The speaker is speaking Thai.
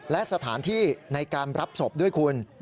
และสถานที่ในการรับศพด้วยคุณ